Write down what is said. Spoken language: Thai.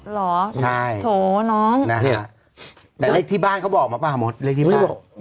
หรอโฉ้น้องนะฮะแล้วเล็กที่บ้านเขาบอกมาป่าวคะ